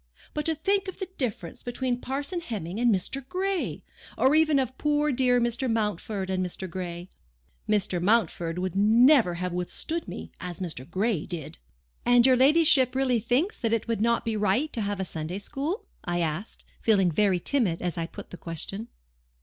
But to think of the difference between Parson Hemming and Mr. Gray! or even of poor dear Mr. Mountford and Mr. Gray. Mr. Mountford would never have withstood me as Mr. Gray did!" "And your ladyship really thinks that it would not be right to have a Sunday school?" I asked, feeling very timid as I put time question.